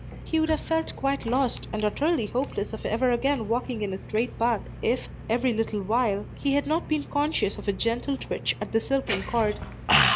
He would have left quite lost, and utterly hopeless of ever again walking in a straight path, if, every little while, he had not been conscious of a gentle twitch at the silken cord.